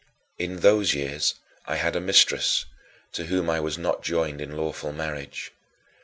In those years I had a mistress, to whom I was not joined in lawful marriage.